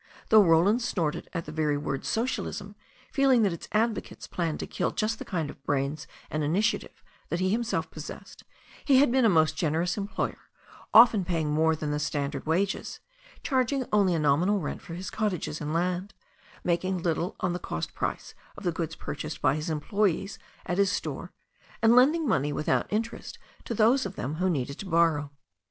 Though Roland snorted at the very word socialism, feeling that its advocates planned to kill just the kind of brains and initia tive that he himself possessed, he had been a most generous employer, often paying more than the standard wages, charging only a nominal rent for his cottages and land, making little on the cost price of the goods purchased by his employes at his store, and lending money without in terest to those of them who needed to borrow.